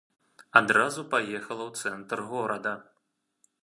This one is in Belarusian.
Адразу паехала ў цэнтр горада.